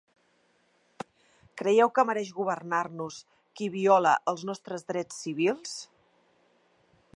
Creieu que mereix governar-nos qui viola els nostres drets civils?